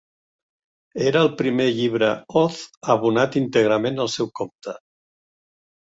Era el primer llibre Oz abonat íntegrament al seu compte.